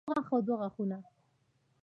يو غاښ او دوه غاښونه